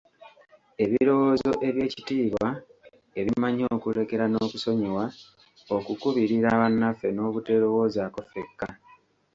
Ebirowoozo eby'ekitiibwa, ebimanyi okulekera n'okusonyiwa, okukubirira bannaffe n'obuterowoozaako ffekka.